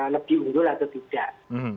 lebih urut atau tidak